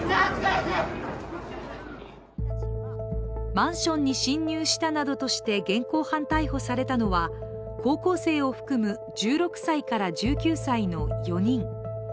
マンションに侵入したなどとして現行犯逮捕されたのは高校生を含む１６歳から１９歳の４人。